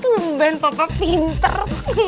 tungguin papa pinter